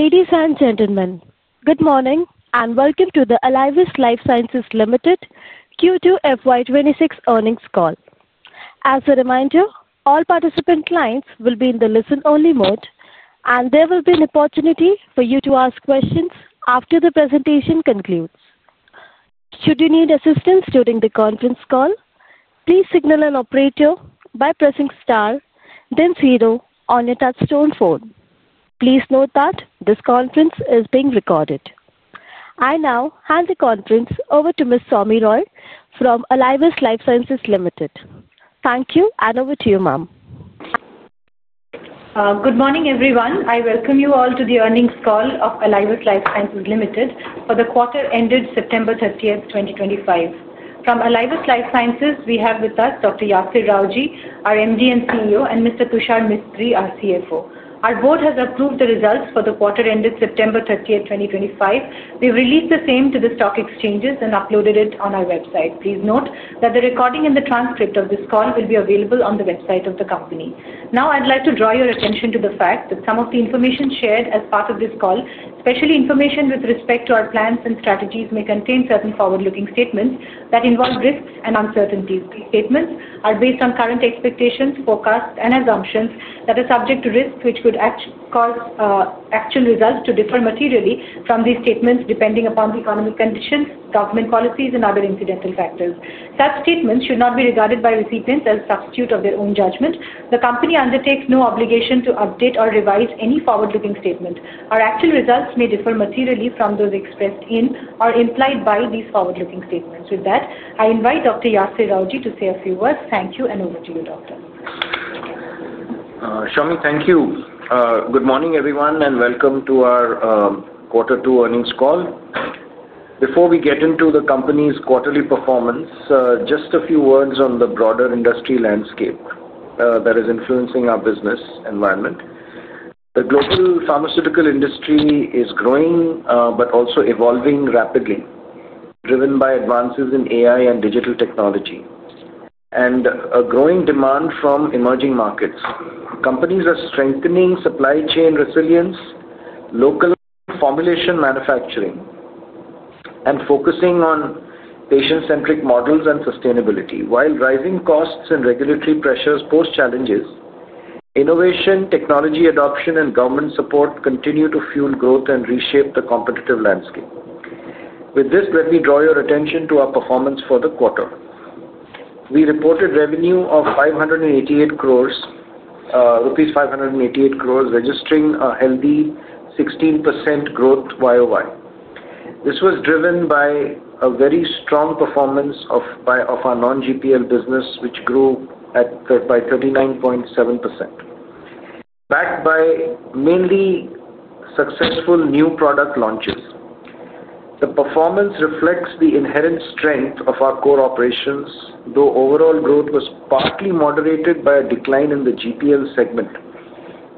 Ladies and gentlemen, good morning and welcome to the Alivus Life Sciences Ltd Q2 FY 2026 earnings call. As a reminder, all participant clients will be in the listen-only mode, and there will be an opportunity for you to ask questions after the presentation concludes. Should you need assistance during the conference call, please signal an operator by pressing star, then zero on your touchstone phone. Please note that this conference is being recorded. I now hand the conference over to Ms. Soumi Rao from Alivus Life Sciences Ltd. Thank you, and over to you, ma'am. Good morning, everyone. I welcome you all to the earnings call of Alivus Life Sciences Ltd for the quarter ended September 30, 2025. From Alivus Life Sciences, we have with us Dr. Yasir Rawjee, our MD and CEO, and Mr. Tushar Mistry, our CFO. Our board has approved the results for the quarter ended September 30, 2025. We have released the same to the stock exchanges and uploaded it on our website. Please note that the recording and the transcript of this call will be available on the website of the company. Now, I would like to draw your attention to the fact that some of the information shared as part of this call, especially information with respect to our plans and strategies, may contain certain forward-looking statements that involve risks and uncertainties. These statements are based on current expectations, forecasts, and assumptions that are subject to risk, which could cause actual results to differ materially from these statements depending upon the economic conditions, government policies, and other incidental factors. Such statements should not be regarded by recipients as a substitute of their own judgment. The company undertakes no obligation to update or revise any forward-looking statement. Our actual results may differ materially from those expressed in or implied by these forward-looking statements. With that, I invite Dr. Yasir Rawjee to say a few words. Thank you, and over to you, Doctor. Soumi, thank you. Good morning, everyone, and welcome to our quarter two earnings call. Before we get into the company's quarterly performance, just a few words on the broader industry landscape that is influencing our business environment. The global pharmaceutical industry is growing but also evolving rapidly, driven by advances in AI and digital technology, and a growing demand from emerging markets. Companies are strengthening supply chain resilience, local formulation manufacturing, and focusing on patient-centric models and sustainability. While rising costs and regulatory pressures pose challenges, innovation, technology adoption, and government support continue to fuel growth and reshape the competitive landscape. With this, let me draw your attention to our performance for the quarter. We reported revenue of 588 crores rupees, registering a healthy 16% growth YoY. This was driven by a very strong performance of our non-GPL business, which grew by 39.7%, backed by mainly successful new product launches. The performance reflects the inherent strength of our core operations, though overall growth was partly moderated by a decline in the GPL segment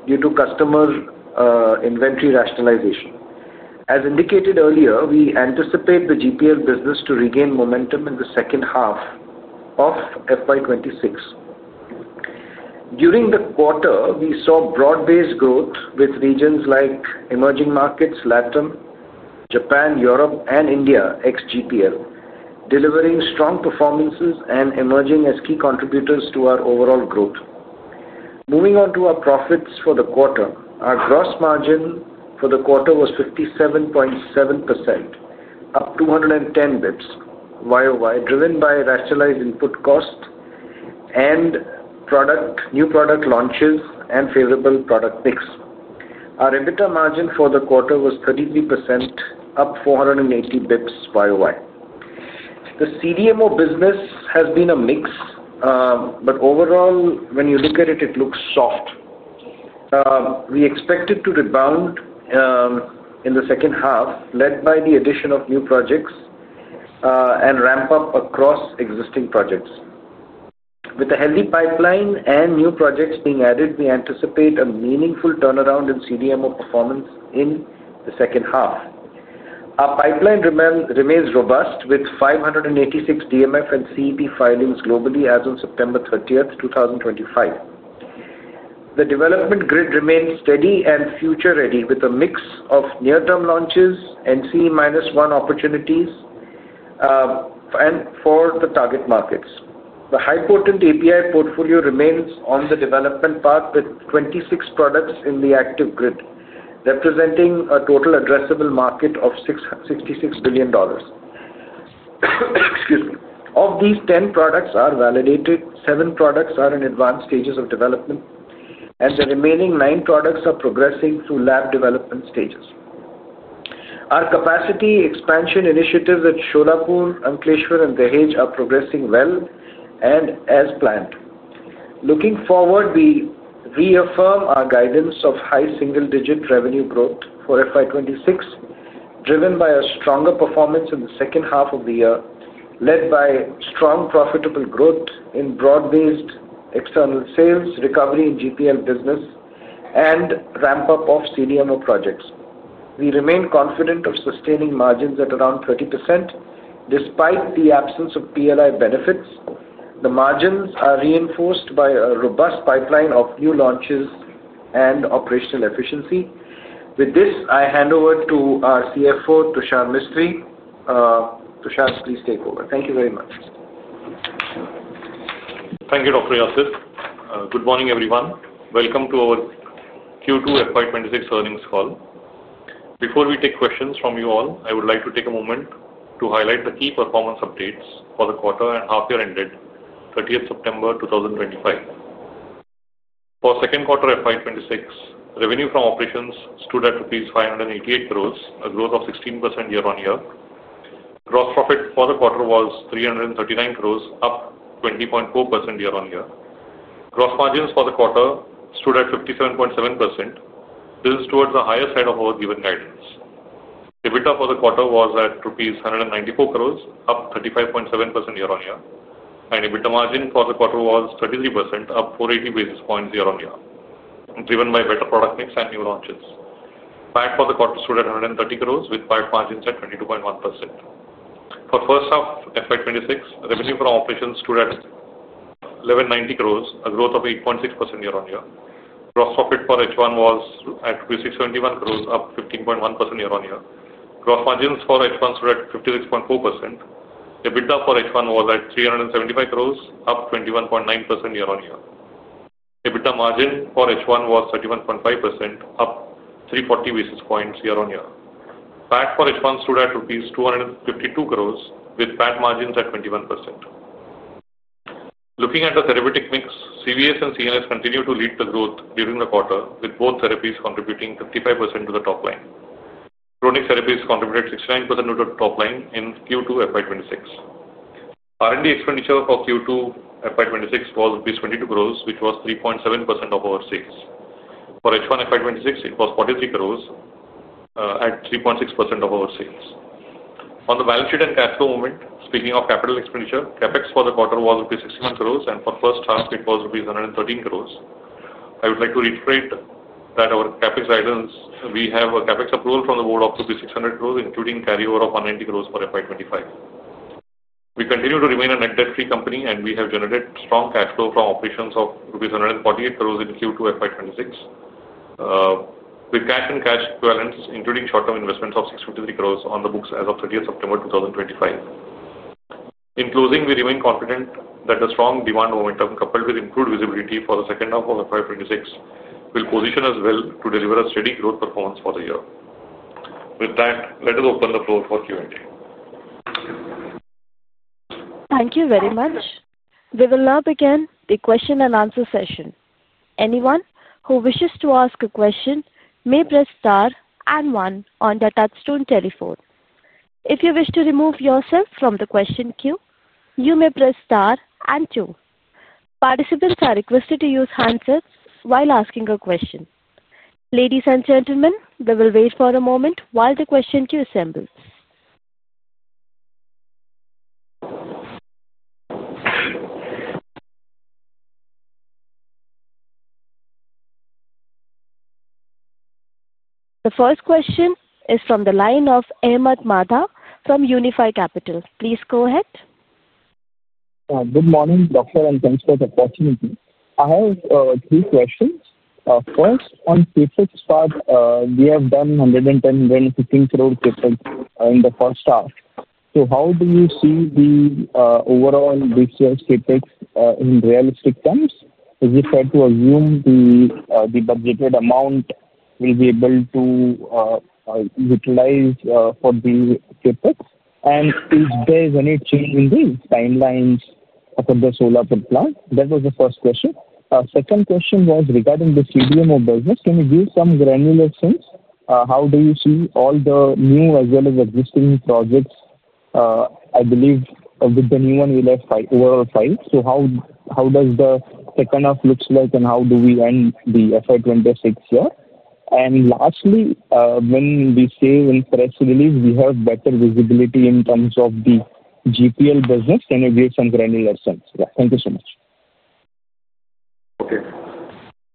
due to customer inventory rationalization. As indicated earlier, we anticipate the GPL business to regain momentum in the second half of FY 2026. During the quarter, we saw broad-based growth with regions like emerging markets, Latin America, Japan, Europe, and India ex-GPL, delivering strong performances and emerging as key contributors to our overall growth. Moving on to our profits for the quarter, our gross margin for the quarter was 57.7%, up 210 basis points year-over-year, driven by rationalized input cost and new product launches and favorable product mix. Our EBITDA margin for the quarter was 33%, up 480 basis points year-over-year. The CDMO business has been a mix, but overall, when you look at it, it looks soft. We expect it to rebound. In the second half, led by the addition of new projects and ramp up across existing projects. With a healthy pipeline and new projects being added, we anticipate a meaningful turnaround in CDMO performance in the second half. Our pipeline remains robust with 586 DMF and CEP filings globally as of September 30, 2025. The development grid remains steady and future-ready with a mix of near-term launches, NC-1 opportunities for the target markets. The high-potency API portfolio remains on the development path with 26 products in the active grid, representing a total addressable market of $66 billion. Of these, 10 products are validated, 7 products are in advanced stages of development, and the remaining 9 products are progressing through lab development stages. Our capacity expansion initiatives at Solapur, Ankleshwar, and Dahej are progressing well and as planned. Looking forward, we reaffirm our guidance of high single-digit revenue growth for FY 2026, driven by a stronger performance in the second half of the year, led by strong profitable growth in broad-based external sales, recovery in GPL business, and ramp-up of CDMO projects. We remain confident of sustaining margins at around 30%. Despite the absence of PLI benefits, the margins are reinforced by a robust pipeline of new launches and operational efficiency. With this, I hand over to our CFO, Tushar Mistry. Tushar, please take over. Thank you very much. Thank you, Dr. Yasir. Good morning, everyone. Welcome to our Q2 FY 2026 earnings call. Before we take questions from you all, I would like to take a moment to highlight the key performance updates for the quarter and half-year ended 30 September 2025. For second quarter FY 2026, revenue from operations stood at rupees 588 crore, a growth of 16% year-on-year. Gross profit for the quarter was 339 crores, up 20.4% year-on-year. Gross margins for the quarter stood at 57.7%. This is towards the higher side of our given guidance. EBITDA for the quarter was at 194 crores, up 35.7% year-on-year, and EBITDA margin for the quarter was 33%, up 480 basis points year-on-year, driven by better product mix and new launches. PAT for the quarter stood at 130 crores, with PAT margins at 22.1%. For first half FY 2026, revenue from operations stood at 1,190 crores, a growth of 8.6% year-on-year. Gross profit for H1 was at 671 crores, up 15.1% year-on-year. Gross margins for H1 stood at 56.4%. EBITDA for H1 was at 375 crores, up 21.9% year-on-year. EBITDA margin for H1 was 31.5%, up 340 basis points year-on-year. PAT for H1 stood at rupees 252 crores, with PAT margins at 21%. Looking at the therapeutic mix, CVS and CNS continue to lead the growth during the quarter, with both therapies contributing 55% to the top line. Chronic therapies contributed 69% to the top line in Q2 FY 2026. R&D expenditure for Q2 FY 2026 was INR 22 crore, which was 3.7% of our sales. For H1 FY 2026, it was 43 crore at 3.6% of our sales. On the balance sheet and cash flow moment, speaking of capital expenditure, CapEx for the quarter was rupees 61 crore, and for the first half, it was rupees 113 crore. I would like to reiterate that our CapEx items, we have a CapEx approval from the board of rupees 600 crore, including carryover of 190 crore for FY 2025. We continue to remain a net debt-free company, and we have generated strong cash flow from operations of INR 148 crore in Q2 FY 2026. With cash and cash equivalents, including short-term investments of 653 crore on the books as of 30 September 2025. In closing, we remain confident that the strong demand momentum coupled with improved visibility for the second half of FY 2026 will position us well to deliver a steady growth performance for the year. With that, let us open the floor for Q&A. Thank you very much. We will now begin the question-and-answer session. Anyone who wishes to ask a question may press star and one on the touchstone telephone. If you wish to remove yourself from the question queue, you may press star and two. Participants are requested to use handsets while asking a question. Ladies and gentlemen, we will wait for a moment while the question queue assembles. The first question is from the line of Ahmed Madha from Unifi Capital. Please go ahead. Good morning, Doctor, and thanks for the opportunity. I have three questions. First, on CapEx part, we have done 110 crore-115 crore CapEx in the first half. How do you see the overall this year's CapEx in realistic terms? Is it fair to assume the budgeted amount will be able to utilize for the CapEx? Is there any change in the timelines for the solar power plant? That was the first question. Our second question was regarding the CDMO business. Can you give some granular sense? How do you see all the new as well as existing projects? I believe with the new one we left overall five. How does the second half look like, and how do we end the FY 2026 year? Lastly, when we say in press release, we have better visibility in terms of the GPL business, can you give some granular sense? Thank you so much. Okay.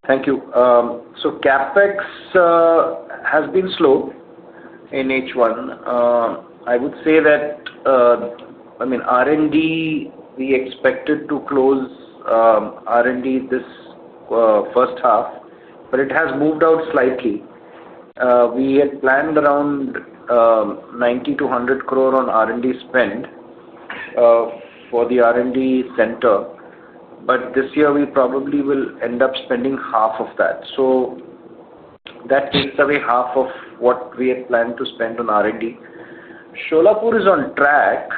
Thank you. So CapEx has been slow in H1. I would say that. I mean, R&D, we expected to close R&D this first half, but it has moved out slightly. We had planned around 90 crore-100 crore on R&D spend for the R&D center, but this year we probably will end up spending half of that. So that takes away half of what we had planned to spend on R&D. Solapur is on track.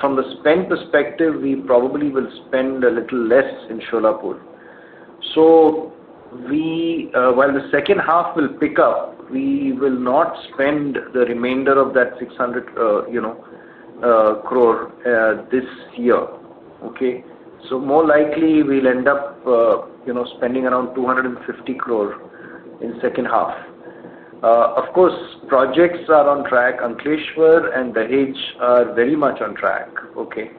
From the spend perspective, we probably will spend a little less in Solapur. While the second half will pick up, we will not spend the remainder of that 600 crore this year. Okay? More likely we'll end up spending around 250 crore in the second half. Of course, projects are on track. Ankleshwar and Dahej are very much on track. Okay?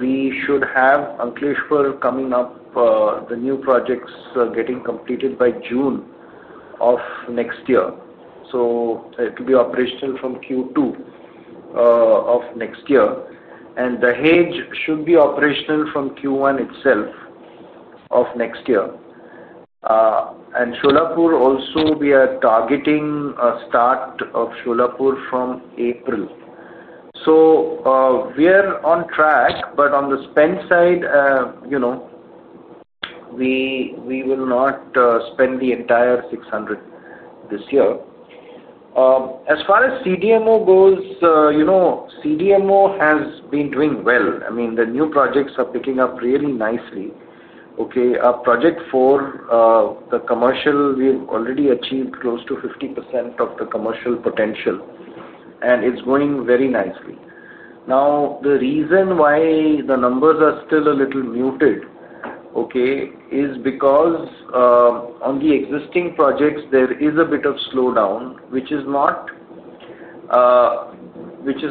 We should have Ankleshwar coming up, the new projects getting completed by June of next year. It will be operational from Q2 of next year. Dahej should be operational from Q1 itself of next year. Solapur also, we are targeting a start of Solapur from April. We are on track, but on the spend side, we will not spend the entire 600 crore this year. As far as CDMO goes, CDMO has been doing well. I mean, the new projects are picking up really nicely. Project four, the commercial, we have already achieved close to 50% of the commercial potential, and it is going very nicely. The reason why the numbers are still a little muted is because on the existing projects, there is a bit of slowdown, which is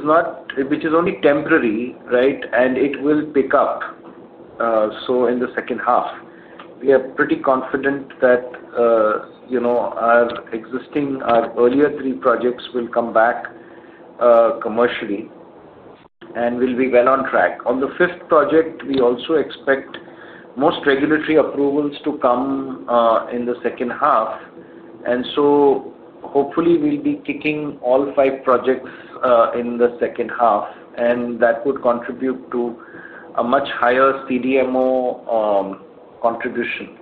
only temporary, right? It will pick up in the second half. We are pretty confident that our existing, our earlier three projects will come back commercially, and we'll be well on track. On the fifth project, we also expect most regulatory approvals to come in the second half, and so hopefully we'll be kicking all five projects in the second half, and that would contribute to a much higher CDMO contribution.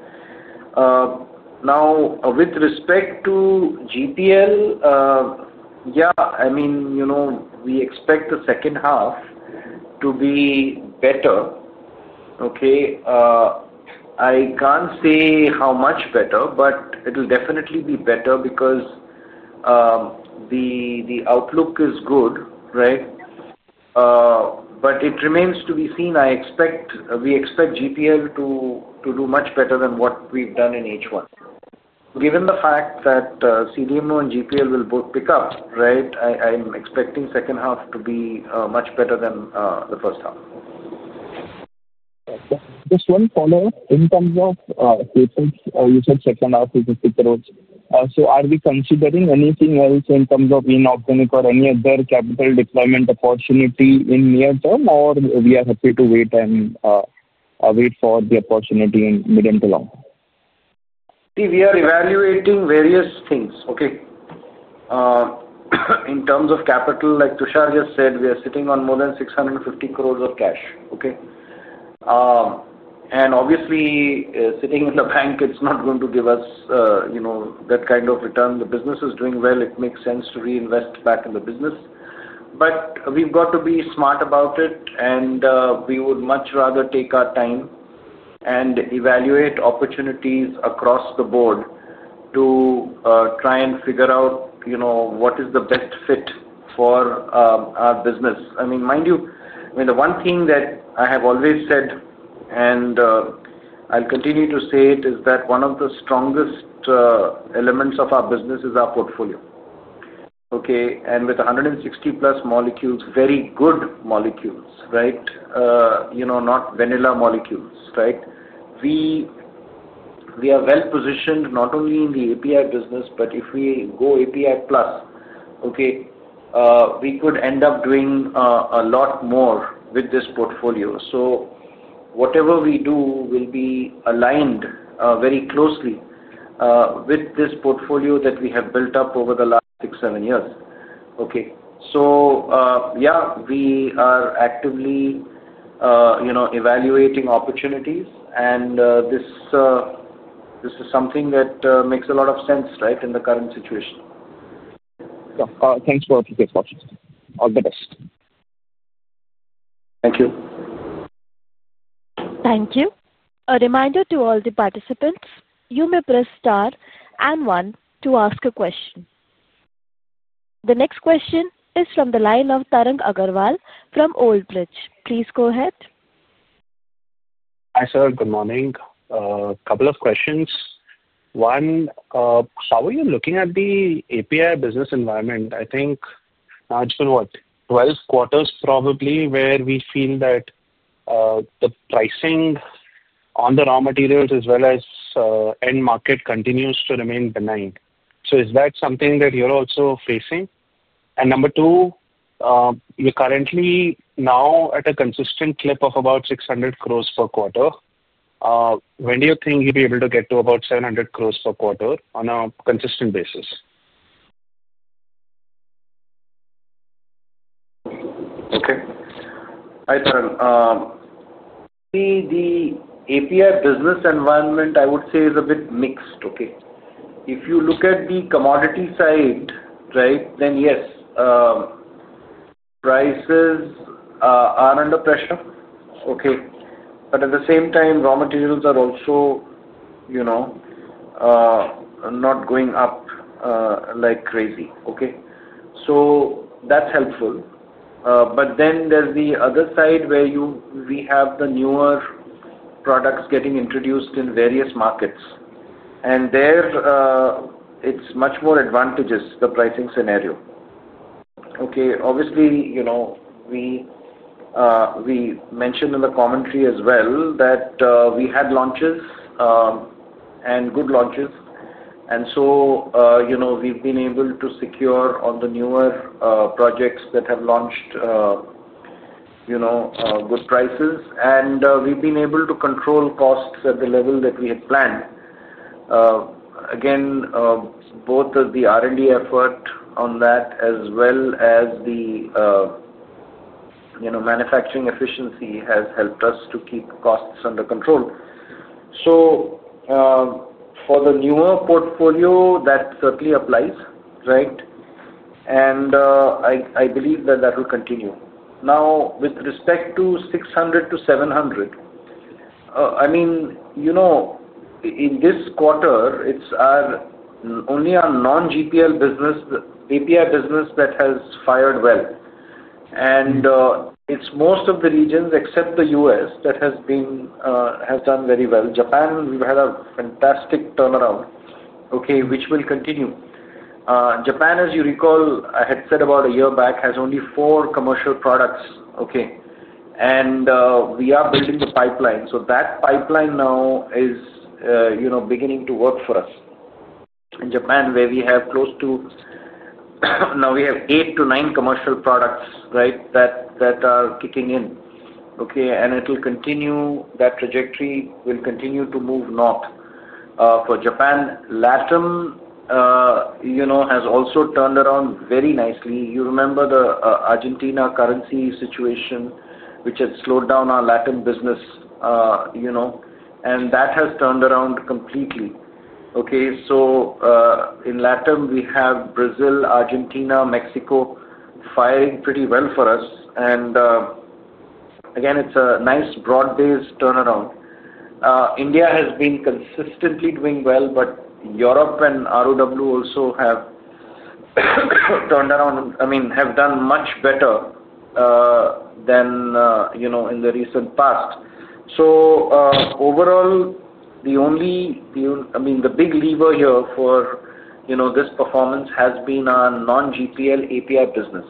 Now, with respect to GPL, yeah, I mean, we expect the second half to be better. Okay? I can't say how much better, but it will definitely be better because the outlook is good, right? But it remains to be seen. We expect GPL to do much better than what we've done in H1. Given the fact that CDMO and GPL will both pick up, right, I'm expecting the second half to be much better than the first half. Just one follow-up. In terms of CapEx, you said second half is a few crores. Are we considering anything else in terms of inorganic or any other capital deployment opportunity in near term, or we are happy to wait and wait for the opportunity in mid and long term? We are evaluating various things, okay? In terms of capital, like Tushar just said, we are sitting on more than 650 crore of cash, okay? Obviously, sitting in the bank, it's not going to give us that kind of return. The business is doing well. It makes sense to reinvest back in the business. We have to be smart about it, and we would much rather take our time and evaluate opportunities across the board to try and figure out what is the best fit for our business. I mean, mind you, the one thing that I have always said, and I'll continue to say it, is that one of the strongest elements of our business is our portfolio, okay? With 160+ molecules, very good molecules, right? Not vanilla molecules, right? We. Are well positioned not only in the API business, but if we go API Plus, okay. We could end up doing a lot more with this portfolio. So whatever we do will be aligned very closely with this portfolio that we have built up over the last six, seven years. Okay? Yeah, we are actively evaluating opportunities, and this is something that makes a lot of sense, right, in the current situation. Thanks for your participation. All the best. Thank you. Thank you. A reminder to all the participants, you may press star and one to ask a question. The next question is from the line of Tarang Agarwal from Old Bridge. Please go ahead. Hi, sir. Good morning. A couple of questions. One, how are you looking at the API business environment? I think it's been, what, 12 quarters probably where we feel that the pricing on the raw materials as well as end market continues to remain benign. Is that something that you're also facing? Number two, you're currently now at a consistent clip of about 600 crore per quarter. When do you think you'll be able to get to about 700 crore per quarter on a consistent basis? Okay. Hi, Tarang. See, the API business environment, I would say, is a bit mixed. Okay? If you look at the commodity side, right, then yes, prices are under pressure. Okay? At the same time, raw materials are also not going up like crazy. Okay? That is helpful. There is the other side where we have the newer products getting introduced in various markets. There, it is much more advantageous, the pricing scenario. Okay? Obviously, we mentioned in the commentary as well that we had launches, and good launches. We have been able to secure on the newer projects that have launched good prices, and we have been able to control costs at the level that we had planned. Again, both the R&D effort on that as well as the manufacturing efficiency has helped us to keep costs under control. For the newer portfolio, that certainly applies, right? And. I believe that will continue. Now, with respect to 600-700, I mean, in this quarter, it's only our non-GPL business, API business that has fired well. It's most of the regions except the U.S. that has done very well. Japan, we've had a fantastic turnaround, which will continue. Japan, as you recall, I had said about a year back, has only four commercial products, and we are building the pipeline. That pipeline now is beginning to work for us. In Japan, we have close to eight to nine commercial products that are kicking in, and it'll continue that trajectory. We'll continue to move north. For Japan, Latin America has also turned around very nicely. You remember the Argentina currency situation, which had slowed down our Latin America business, and that has turned around completely. In Latin America, we have Brazil, Argentina, Mexico firing pretty well for us. Again, it's a nice broad-based turnaround. India has been consistently doing well, but Europe and Rest of World also have turned around, I mean, have done much better than in the recent past. Overall, the only, I mean, the big lever here for this performance has been our non-GPL API business.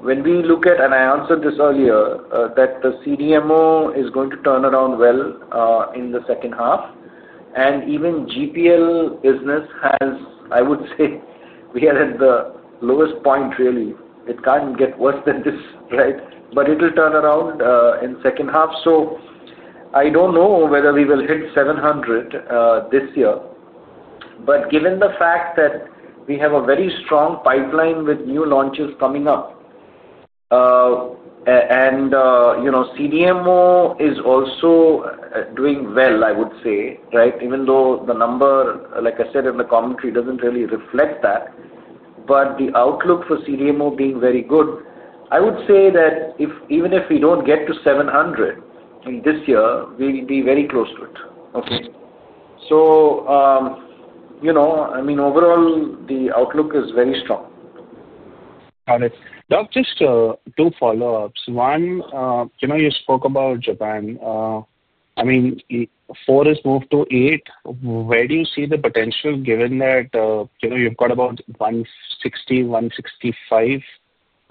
When we look at, and I answered this earlier, that the CDMO is going to turn around well in the second half. Even GPL business has, I would say, we are at the lowest point, really. It can't get worse than this, right? It'll turn around in the second half. I don't know whether we will hit 700 this year. Given the fact that we have a very strong pipeline with new launches coming up, and CDMO is also. Doing well, I would say, right? Even though the number, like I said in the commentary, does not really reflect that. The outlook for CDMO being very good, I would say that even if we do not get to 700 this year, we will be very close to it. Okay? I mean, overall, the outlook is very strong. Got it. Now, just two follow-ups. One, you spoke about Japan. I mean, four has moved to eight. Where do you see the potential given that you've got about 160, 165,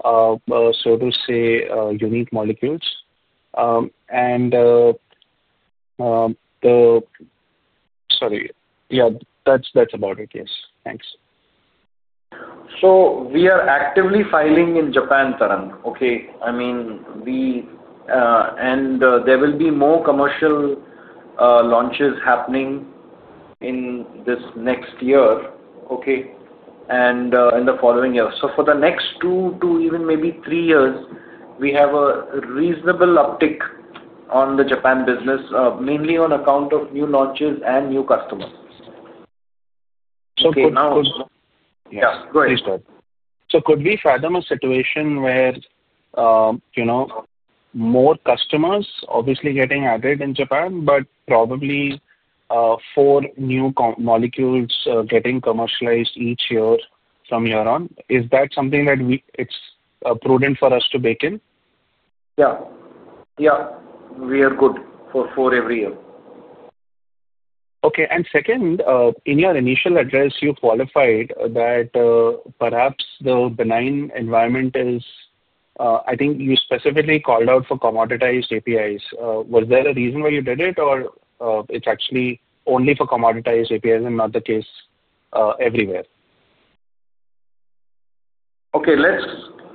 so to say, unique molecules? And, sorry, yeah, that's about it. Yes. Thanks. We are actively filing in Japan, Tarang. Okay? I mean. There will be more commercial launches happening in this next year, okay, and in the following year. For the next two, two, even maybe three years, we have a reasonable uptick on the Japan business, mainly on account of new launches and new customers. Could we fathom a situation where, more customers obviously getting added in Japan, but probably four new molecules getting commercialized each year from here on? Is that something that it's prudent for us to bake in? Yeah. Yeah. We are good for four every year. Okay. Second, in your initial address, you qualified that. Perhaps the benign environment is—I think you specifically called out for commoditized APIs. Was there a reason why you did it, or it's actually only for commoditized APIs and not the case everywhere? Okay.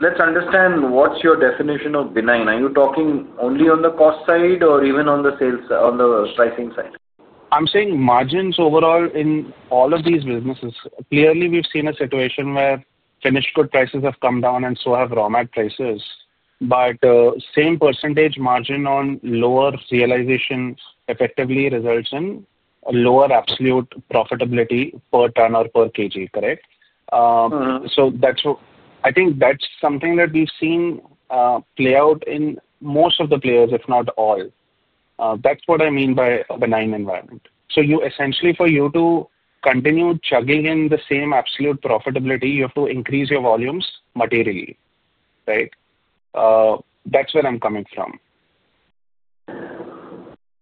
Let's understand what's your definition of benign. Are you talking only on the cost side or even on the pricing side? I'm saying margins overall in all of these businesses. Clearly, we've seen a situation where finished good prices have come down, and so have raw mat prices. But same percentage margin on lower realization effectively results in lower absolute profitability per ton or per kg, correct? I think that's something that we've seen play out in most of the players, if not all. That's what I mean by a benign environment. Essentially, for you to continue chugging in the same absolute profitability, you have to increase your volumes materially, right? That's where I'm coming from.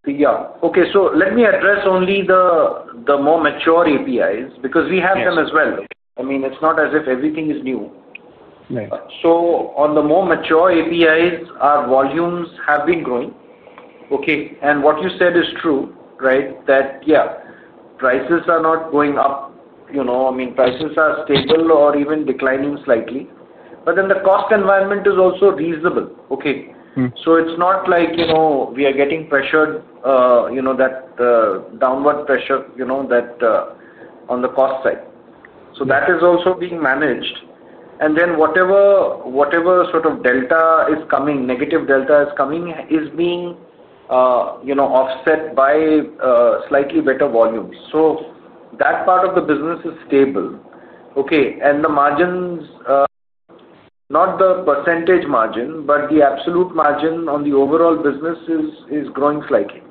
Yeah. Okay. Let me address only the more mature APIs because we have them as well. I mean, it's not as if everything is new. On the more mature APIs, our volumes have been growing. Okay? What you said is true, right, that yeah, prices are not going up. I mean, prices are stable or even declining slightly. But then the cost environment is also reasonable. Okay? So it's not like we are getting pressured. That downward pressure on the cost side. So that is also being managed. And then whatever sort of delta is coming, negative delta is coming, is being offset by slightly better volumes. So that part of the business is stable. Okay? And the margins—not the percentage margin, but the absolute margin on the overall business—is growing slightly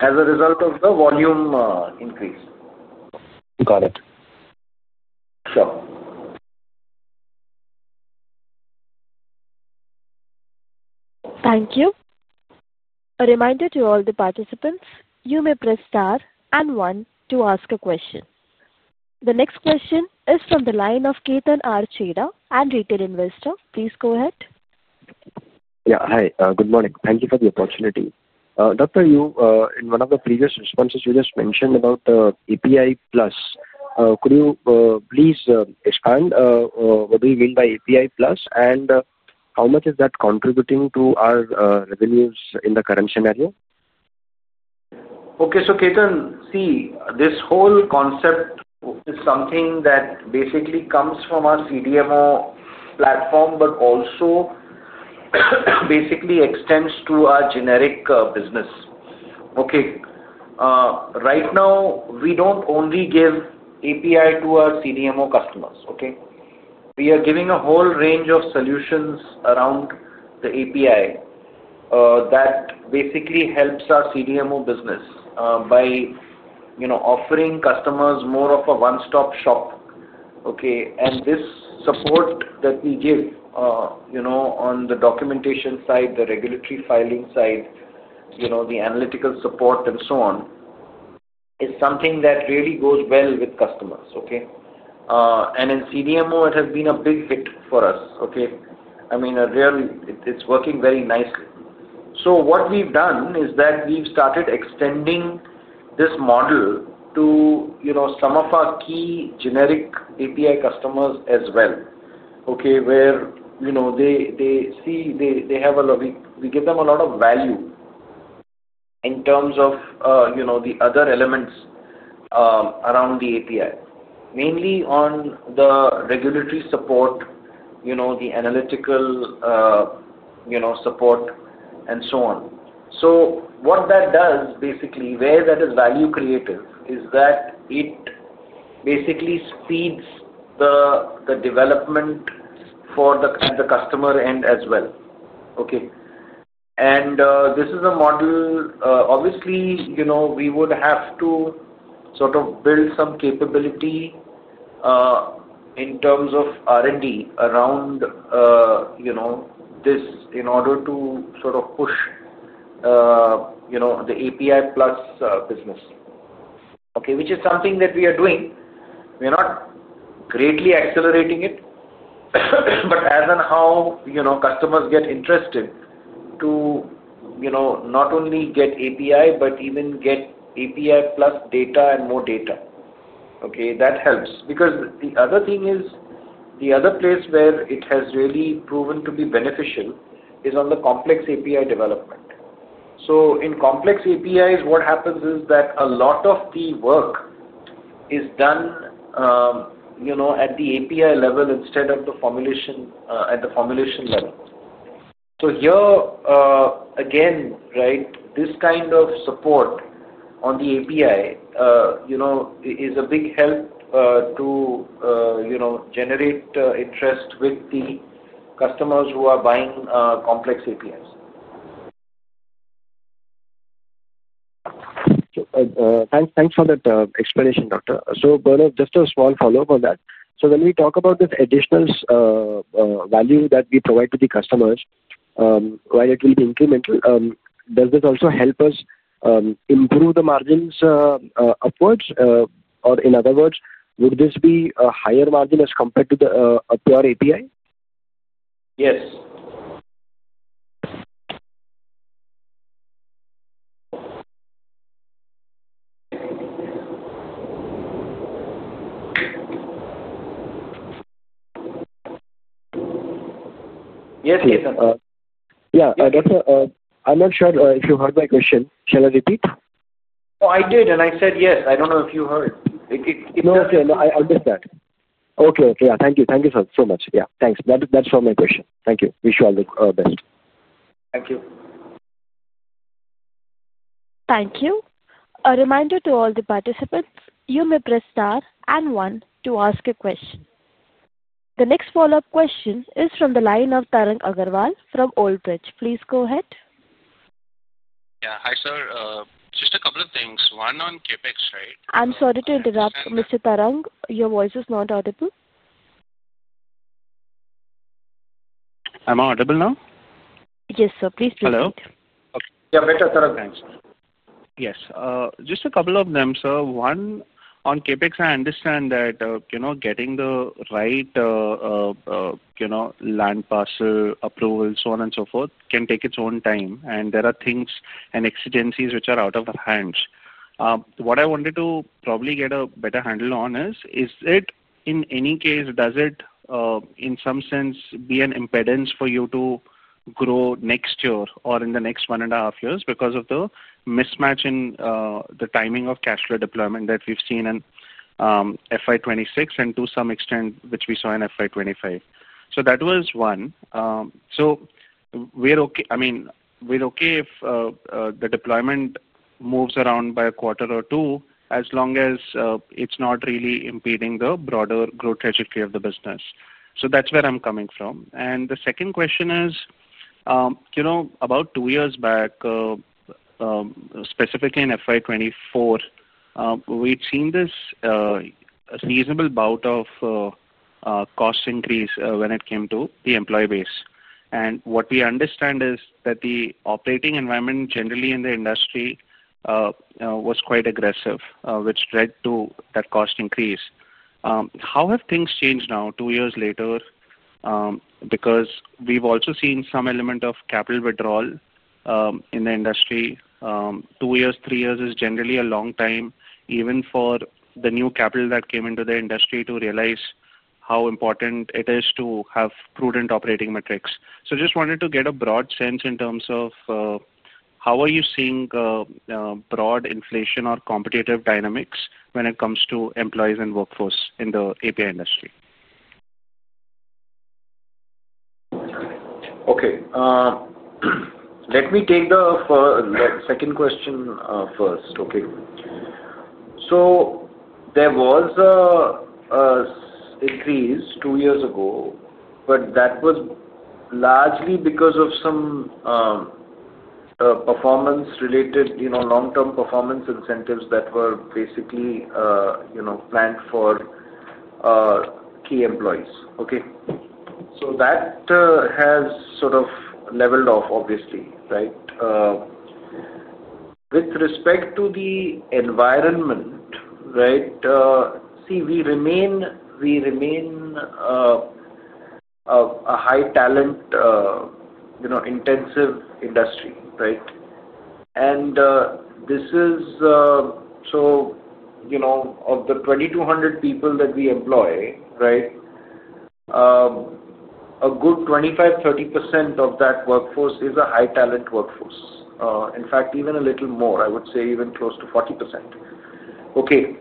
as a result of the volume increase. Got it. Sure. Thank you. A reminder to all the participants, you may press star and one to ask a question. The next question is from the line of [Chintan Chheda], and retail investor. Please go ahead. Yeah. Hi. Good morning. Thank you for the opportunity. Dr. Yasir, in one of the previous responses, you just mentioned about the API Plus. Could you please expand what we mean by API Plus and how much is that contributing to our revenues in the current scenario? Okay. Chintan, see, this whole concept is something that basically comes from our CDMO platform, but also basically extends to our generic business. Right now, we do not only give API to our CDMO customers. We are giving a whole range of solutions around the API. That basically helps our CDMO business by offering customers more of a one-stop shop. This support that we give on the documentation side, the regulatory filing side, the analytical support, and so on, is something that really goes well with customers. In CDMO, it has been a big hit for us. I mean, it is working very nicely. What we have done is that we have started extending this model to some of our key generic API customers as well, where they see we give them a lot of value in terms of the other elements. Around the API, mainly on the regulatory support, the analytical support, and so on. What that does, basically, where that is value creative, is that it basically speeds the development for the customer end as well. Okay? This is a model—obviously, we would have to sort of build some capability in terms of R&D around this in order to sort of push the API Plus business. Okay? Which is something that we are doing. We're not greatly accelerating it, but as and how customers get interested to not only get API, but even get API Plus data and more data. Okay? That helps. The other thing is the other place where it has really proven to be beneficial is on the complex API development. In complex APIs, what happens is that a lot of the work is done. At the API level instead of at the formulation level. Here again, this kind of support on the API is a big help to generate interest with the customers who are buying complex APIs. Thanks for that explanation, Doctor. Just a small follow-up on that. When we talk about this additional value that we provide to the customers, while it will be incremental, does this also help us improve the margins upwards? In other words, would this be a higher margin as compared to a pure API? Yes. Yes, sir. Yeah. Doctor, I'm not sure if you heard my question. Shall I repeat? Oh, I did. I said yes. I don't know if you heard. No, no, no. I understand. Okay. Okay. Yeah. Thank you. Thank you so much. Yeah. Thanks. That's all my questions. Thank you. Wish you all the best. Thank you. Thank you. A reminder to all the participants, you may press star and one to ask a question. The next follow-up question is from the line of Tarang Agarwal from Old Bridge. Please go ahead. Yeah. Hi, sir. Just a couple of things. One on CapEx, right? I'm sorry to interrupt, Mr. Tarang. Your voice is not audible. I audible now? Yes, sir. Please proceed. Hello. Yeah. Better, Tarang. Thanks. Yes. Just a couple of them, sir. One on CapEx, I understand that getting the right land parcel approval, so on and so forth, can take its own time. And there are things and exigencies which are out of our hands. What I wanted to probably get a better handle on is, is it in any case, does it in some sense, be an impedance for you to grow next year or in the next one and a half years because of the mismatch in the timing of cash flow deployment that we've seen in FY 2026 and to some extent, which we saw in FY 2025? That was one. I mean, we're okay if the deployment moves around by a quarter or two as long as it's not really impeding the broader growth trajectory of the business. That's where I'm coming from. The second question is. About two years back, specifically in FY 2024, we've seen this reasonable bout of cost increase when it came to the employee base. What we understand is that the operating environment generally in the industry was quite aggressive, which led to that cost increase. How have things changed now, two years later? Because we've also seen some element of capital withdrawal in the industry. Two years, three years is generally a long time, even for the new capital that came into the industry to realize how important it is to have prudent operating metrics. I just wanted to get a broad sense in terms of how are you seeing broad inflation or competitive dynamics when it comes to employees and workforce in the API industry? Okay. Let me take the second question first. Okay? There was an increase two years ago, but that was largely because of some performance-related long-term performance incentives that were basically planned for key employees. Okay? That has sort of leveled off, obviously, right? With respect to the environment. Right. See, we remain a high talent intensive industry, right? This is. Of the 2,200 people that we employ, a good 25%-30% of that workforce is a high talent workforce. In fact, even a little more. I would say even close to 40%. Okay.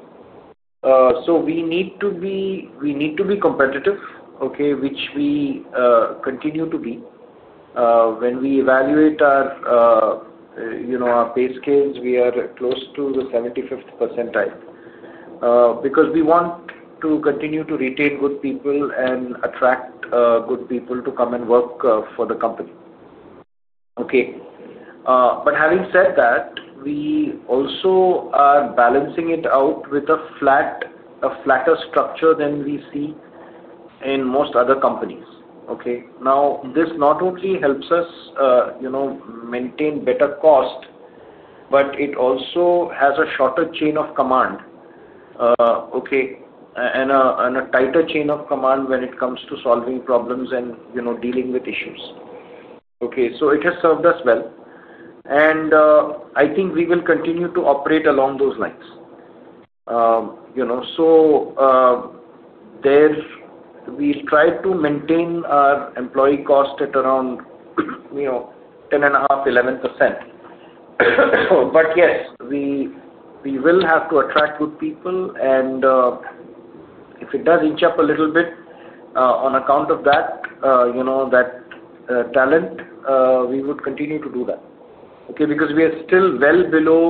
We need to be competitive, which we continue to be. When we evaluate our pay scales, we are close to the 75th percentile because we want to continue to retain good people and attract good people to come and work for the company. Okay? Having said that, we also are balancing it out with a flatter structure than we see in most other companies. This not only helps us maintain better cost, but it also has a shorter chain of command and a tighter chain of command when it comes to solving problems and dealing with issues. It has served us well. I think we will continue to operate along those lines. We will try to maintain our employee cost at around 10.5%-11%. Yes, we will have to attract good people, and if it does inch up a little bit on account of that talent, we would continue to do that because we are still well below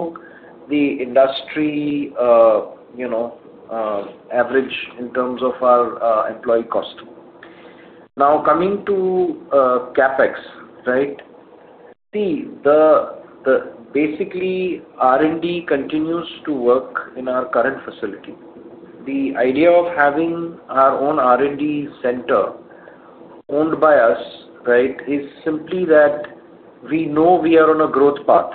the industry average in terms of our employee cost. Now, coming to CapEx, right? See. Basically, R&D continues to work in our current facility. The idea of having our own R&D center, owned by us, right, is simply that we know we are on a growth path.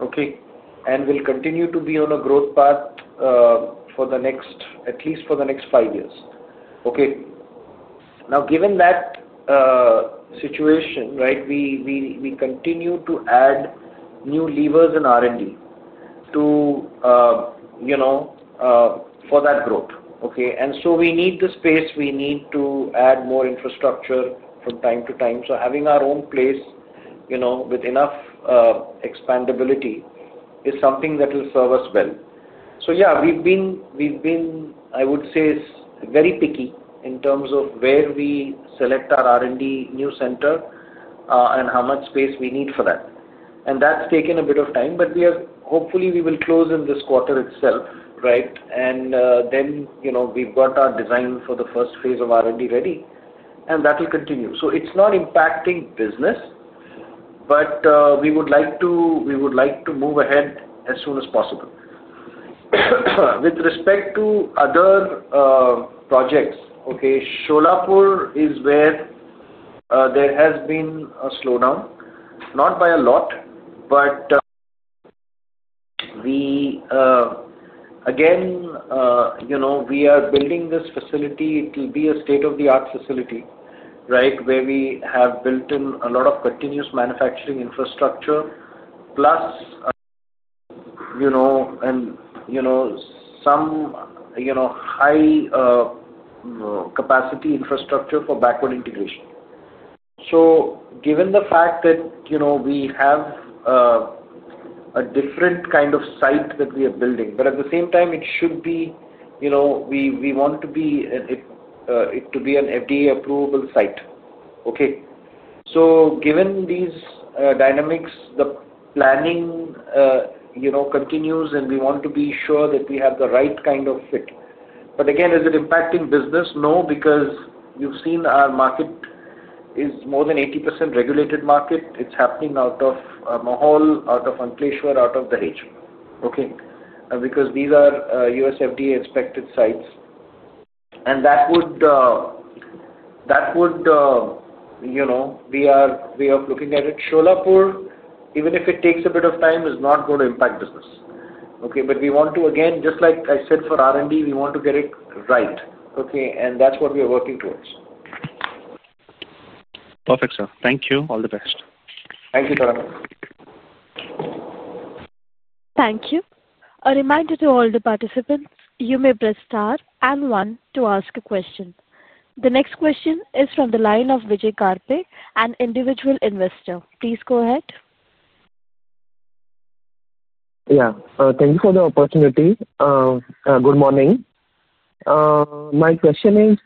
Okay? We will continue to be on a growth path, at least for the next five years. Okay? Now, given that situation, right, we continue to add new levers in R&D for that growth. Okay? We need the space. We need to add more infrastructure from time to time. Having our own place with enough expandability is something that will serve us well. Yeah, we've been, I would say, very picky in terms of where we select our R&D new center and how much space we need for that. That's taken a bit of time, but hopefully, we will close in this quarter itself, right? We have our design for the first phase of R&D ready. That will continue. It is not impacting business. We would like to move ahead as soon as possible. With respect to other projects, Solapur is where there has been a slowdown, not by a lot. We are building this facility. It will be a state-of-the-art facility, where we have built in a lot of continuous manufacturing infrastructure, plus some high capacity infrastructure for backward integration. Given the fact that we have a different kind of site that we are building, at the same time, it should be an FDA-approvable site. Given these dynamics, the planning continues, and we want to be sure that we have the right kind of fit. Again, is it impacting business? No, because you've seen our market is more than 80% regulated market. It's happening out of Mohol, out of Ankleshwar, out of the region. Okay? Because these are US FDA-inspected sites. That would be our way of looking at it. Solapur, even if it takes a bit of time, is not going to impact business. Okay? We want to, again, just like I said for R&D, we want to get it right. Okay? That is what we are working towards. Perfect, sir. Thank you. All the best. Thank you, Tarang. Thank you. A reminder to all the participants, you may press star and one to ask a question. The next question is from the line of Vijay Karpe, an individual investor. Please go ahead. Yeah. Thank you for the opportunity. Good morning. My question is,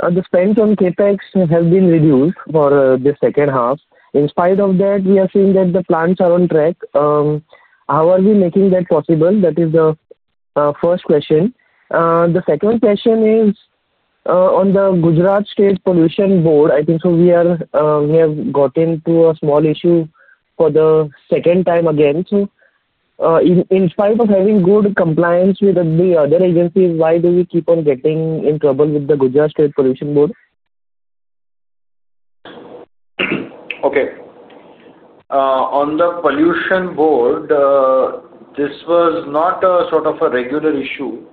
the spend on CapEx has been reduced for the second half. In spite of that, we are seeing that the plans are on track. How are we making that possible? That is the first question. The second question is, on the Gujarat State Pollution Board. I think we have gotten into a small issue for the second time again. In spite of having good compliance with the other agencies, why do we keep on getting in trouble with the Gujarat State Pollution Board? Okay. On the Pollution Board. This was not sort of a regular issue.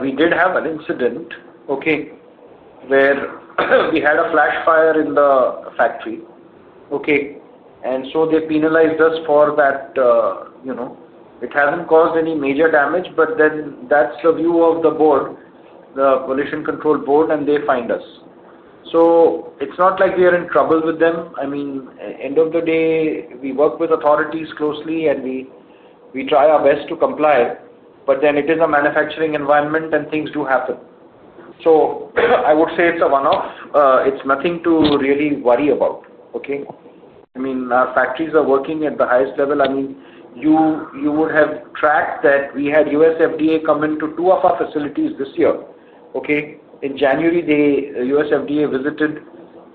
We did have an incident, okay, where we had a flash fire in the factory, okay? And so they penalized us for that. It has not caused any major damage, but then that is the view of the board, the Pollution Control Board, and they fined us. It is not like we are in trouble with them. I mean, end of the day, we work with authorities closely, and we try our best to comply. But then it is a manufacturing environment, and things do happen. I would say it is a one-off. It is nothing to really worry about, okay? I mean, our factories are working at the highest level. I mean, you would have tracked that we had US FDA come into two of our facilities this year, okay? In January, the US FDA visited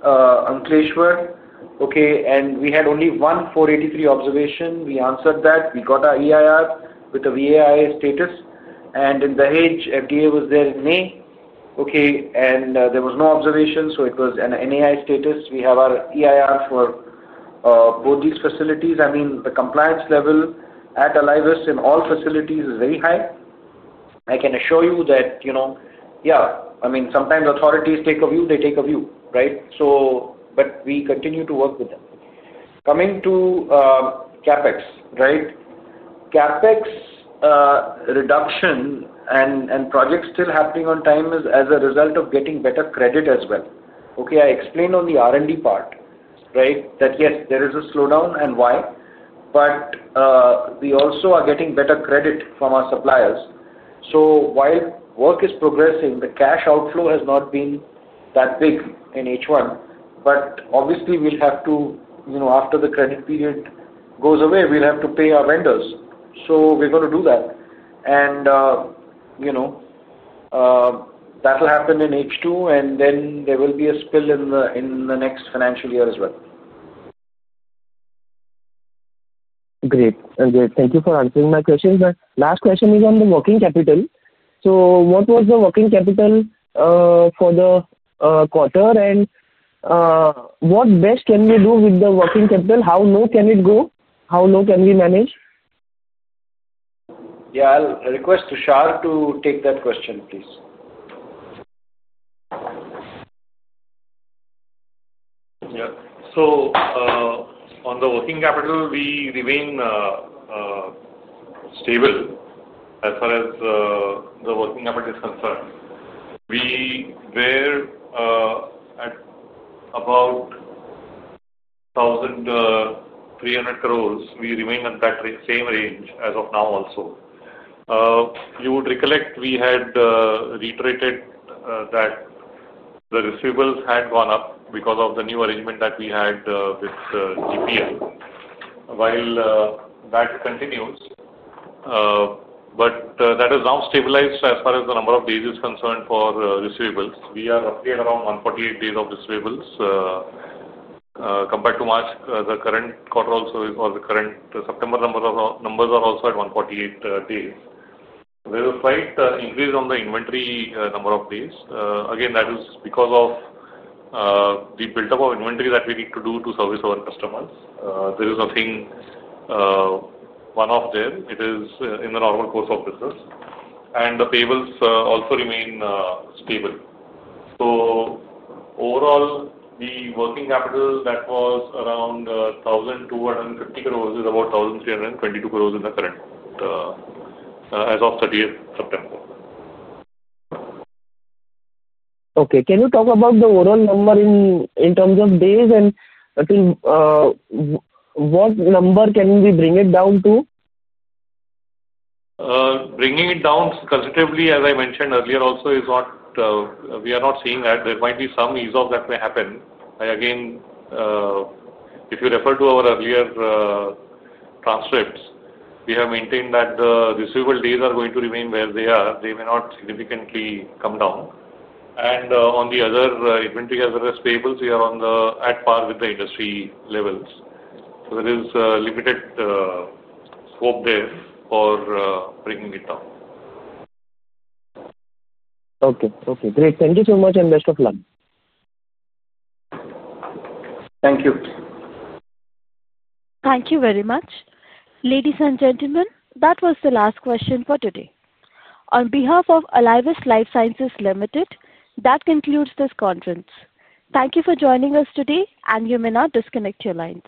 Ankleshwar, okay? We had only one 483 observation. We answered that. We got our EIR with a VAI status. In Dahej, FDA was there in May. Okay? There was no observation, so it was an NAI status. We have our EIR for both these facilities. I mean, the compliance level at Alivus in all facilities is very high. I can assure you that. Yeah, I mean, sometimes authorities take a view, they take a view, right? We continue to work with them. Coming to CapEx, right? CapEx reduction and projects still happening on time is as a result of getting better credit as well. Okay? I explained on the R&D part, right, that yes, there is a slowdown and why. We also are getting better credit from our suppliers. While work is progressing, the cash outflow has not been that big in H1. Obviously, we'll have to, after the credit period goes away, we'll have to pay our vendors. We're going to do that. That will happen in H2, and then there will be a spill in the next financial year as well. Great. Thank you for answering my question. Last question is on the working capital. What was the working capital for the quarter? What best can we do with the working capital? How low can it go? How low can we manage? Yeah. I'll request Tushar to take that question, please. Yeah. On the working capital, we remain stable as far as the working capital is concerned. We were about 1,300 crore. We remain in that same range as of now also. You would recollect we had reiterated that the receivables had gone up because of the new arrangement that we had with GPL. While that continues, that has now stabilized as far as the number of days is concerned for receivables. We are roughly at around 148 days of receivables. Compared to March, the current quarter also or the current September numbers are also at 148 days. There is a slight increase on the inventory number of days. Again, that is because of the buildup of inventory that we need to do to service our customers. There is nothing one-off there. It is in the normal course of business. The payables also remain stable. Overall, the working capital that was around 1,250 crore is about 1,322 crore in the current, as of 30th September. Okay. Can you talk about the overall number in terms of days? What number can we bring it down to? Bringing it down conservatively, as I mentioned earlier, also is not, we are not seeing that. There might be some ease of that may happen. Again, if you refer to our earlier transcripts, we have maintained that the receivable days are going to remain where they are. They may not significantly come down. On the other inventory as well as payables, we are at par with the industry levels. There is limited scope there for bringing it down. Okay. Okay. Great. Thank you so much and best of luck. Thank you. Thank you very much. Ladies and gentlemen, that was the last question for today. On behalf of Alivus Life Sciences Ltd, that concludes this conference. Thank you for joining us today, and you may now disconnect your lines.